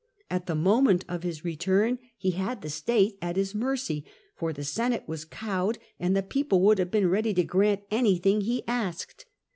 At the moment of his return he had the state at his mercy, for the Senate was cowed, and the people would have been ready to grant him anything he asked.